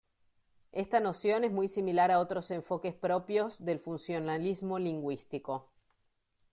Esta noción es muy similar a otros enfoques propios del funcionalismo lingüístico.